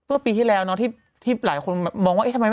รี่ที่แล้วที่หลายคนมองว่าทำไม